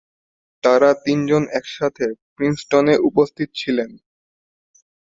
তারা তিনজন একসাথে প্রিন্সটনে উপস্থিত ছিলেন।